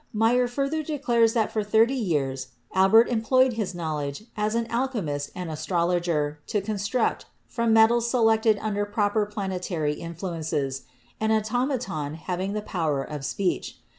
Maier further declares that for thirty years Albert employed his knowledge as an al chemist and astrologer to construct, from metals selected under proper planetary influences, an automaton having the power of speech.